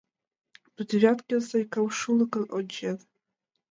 Но Девяткин Санькам шулыкын ончен.